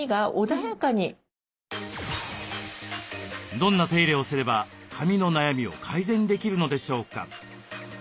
どんな手入れをすれば髪の悩みを改善できるのでしょうか？